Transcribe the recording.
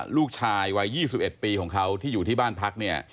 ลูกชายวัย๒๑ปีของเขาที่อยู่ที่บ้านพักเนี่ย